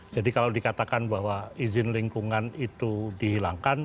jadi kalau dikatakan bahwa izin lingkungan itu dihilangkan